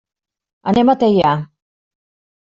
Anem a Teià.